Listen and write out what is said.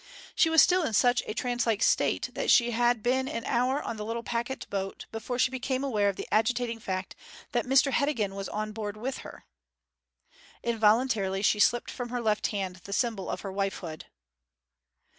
She was still in such a trance like state that she had been an hour on the little packet boat before she became aware of the agitating fact that Mr Heddegan was on board with her. Involuntarily she slipped from her left hand the symbol of her wifehood.